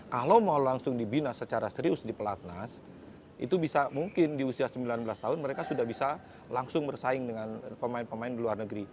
kalau mau langsung dibina secara serius di pelatnas itu bisa mungkin di usia sembilan belas tahun mereka sudah bisa langsung bersaing dengan pemain pemain di luar negeri